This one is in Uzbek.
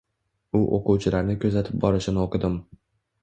U oʻquvchilarni kuzatib borishini oʻqidim.